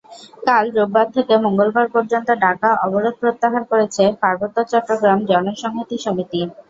কাল রোববার থেকে মঙ্গলবার পর্যন্ত ডাকা অবরোধ প্রত্যাহার করেছে পার্বত্য চট্টগ্রাম জনসংহতি সমিতি।